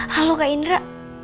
halo kak indra